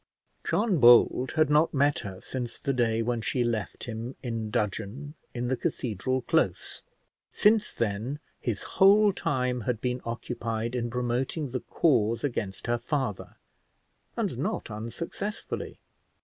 John Bold had not met her since the day when she left him in dudgeon in the cathedral close. Since then his whole time had been occupied in promoting the cause against her father, and not unsuccessfully.